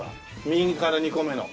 右から２個目の。